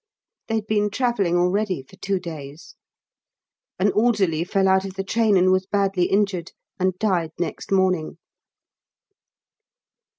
They'd been travelling already for two days. An orderly fell out of the train and was badly injured, and died next morning.